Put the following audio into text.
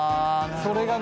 それがね